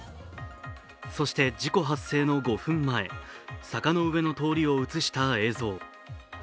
そして事故発生の５分前、坂の上の通りを映した映像。